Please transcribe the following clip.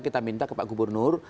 kita minta ke pak gubernur